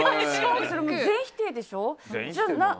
全否定でしょ。